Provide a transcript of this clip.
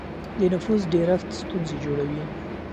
د نفوس ډېرښت ستونزې جوړوي.